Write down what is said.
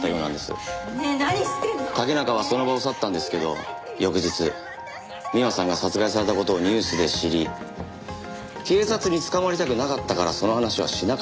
竹中はその場を去ったんですけど翌日美和さんが殺害された事をニュースで知り警察に捕まりたくなかったからその話はしなかったと。